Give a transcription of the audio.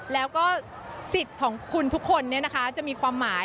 แล้วก็สิทธิ์ของคุณทุกคนจะมีความหมาย